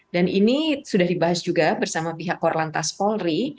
dan ini sudah dibahas juga bersama pihak korlantas polri